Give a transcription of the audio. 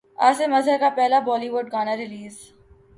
عاصم اظہر کا پہلا Bollywood گانا ریلیز